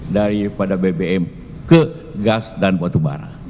daripada bbm ke gas dan batubara